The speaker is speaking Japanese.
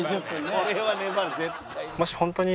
これは粘る絶対に。